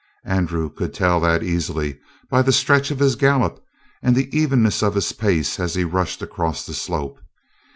Andrew could tell that easily by the stretch of his gallop and the evenness of his pace as he rushed across the slope.